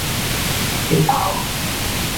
彼頭